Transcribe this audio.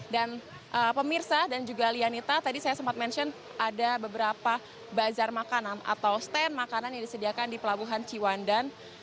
pemirsa dan juga lianita tadi saya sempat mention ada beberapa bazar makanan atau stand makanan yang disediakan di pelabuhan ciwandan